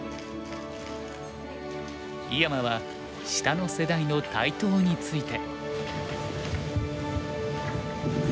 井山は下の世代の台頭について。